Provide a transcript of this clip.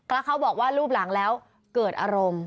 แล้วเขาบอกว่ารูปหลังแล้วเกิดอารมณ์